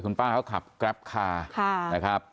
คุณป้าเขาขับแกรปคานะครับ